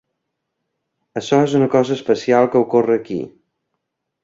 Açò és una cosa especial que ocorre aquí.